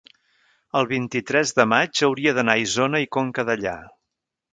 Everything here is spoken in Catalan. el vint-i-tres de maig hauria d'anar a Isona i Conca Dellà.